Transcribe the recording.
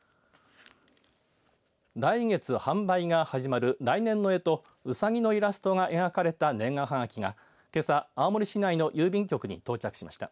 来月販売が始まる来年のえとうさぎのイラストが描かれた年賀はがきがけさ、青森市内の郵便局が到着しました。